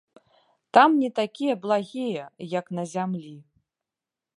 Там не такія благія, як на зямлі.